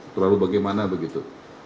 terlalu bagaimana begitu